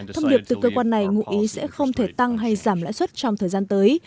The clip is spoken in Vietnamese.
thông điệp từ cơ quan này ngụy ý sẽ không thể tăng hay giảm lãi suất trong thời gian tới